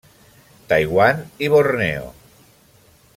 Taiwan i Borneo.